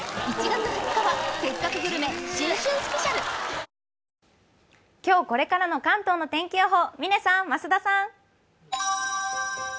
続いてですが今日これからの関東の天気予報、嶺さん、増田さん。